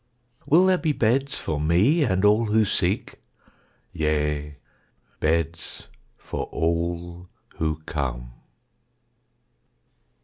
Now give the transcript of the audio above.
Will there be beds for me and all who seek? Yea, beds for all who come.